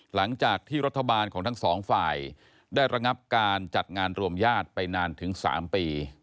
หลังจากที่รัฐบาลของทั้งสองฝ่ายได้ระงับการจัดงานรวมญาติไปนานถึง๓ปี